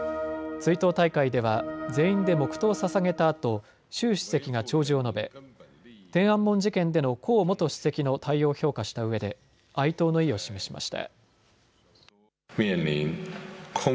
追悼大会では全員で黙とうをささげたあと習主席が弔辞を述べ天安門事件での江元主席の対応を評価したうえで哀悼の意を示しました。